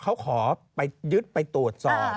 เขาขอไปยึดไปตรวจสอบ